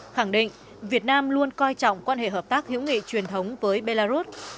khẳng định việt nam luôn coi trọng quan hệ hợp tác hữu nghị truyền thống với belarus